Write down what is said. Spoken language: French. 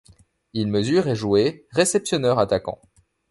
Il mesure et jouait réceptionneur-attaquant.